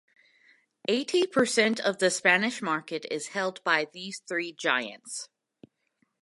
Eighty per cent of the Spanish market is held by these three giants.